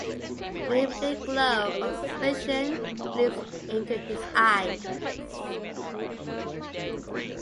An immediate glow of suspicion leaps into his eyes.